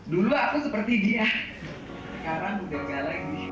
dulu aku seperti dia sekarang juga enggak lagi